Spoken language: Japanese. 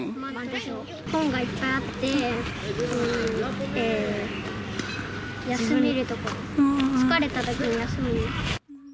本がいっぱいあって、休める所、疲れたときに休める所。